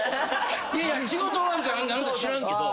いやいや仕事終わりか何か知らんけど。